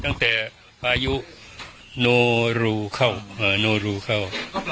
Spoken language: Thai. ตั้งแต่พายุโนรูเข้าโนรูเข้า